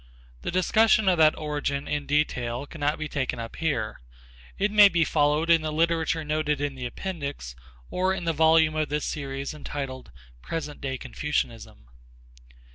The discussion of that origin in detail cannot be taken up here. It may be followed in the literature noted in the appendix or in the volume of this series entitled "Present Day Confucianism."